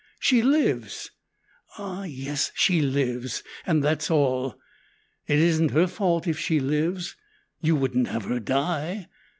She lives. Ah, yes, she lives, and that's all. It isn't her fault if she lives. You wouldn't have her die?